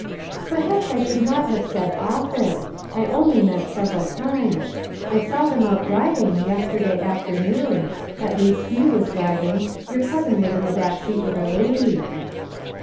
"Perhaps I should not have said ' often,' I only meant several times, I saw them out driving yesterday afternoon; at least he was driving; your cousin was on the back seat with a lady."